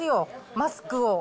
マスクを。